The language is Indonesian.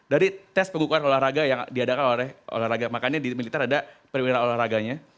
dari tes pengukuran olahraga yang diadakan oleh olahraga makanya di militer ada perwira olahraganya